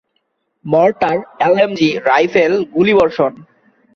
Mortar, LMG, রাইফেলের গুলিবর্ষণ।